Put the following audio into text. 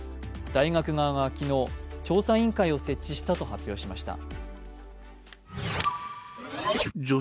大学側が昨日、調査委員会を設置したと話しました。